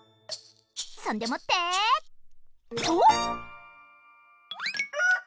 そんでもってとう！